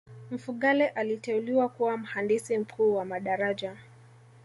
mfugale aliteuliwa kuwa mhandisi mkuu wa madaraja